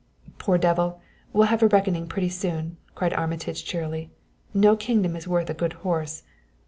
"Poor devil! We'll have a reckoning pretty soon," cried Armitage cheerily. "No kingdom is worth a good horse!"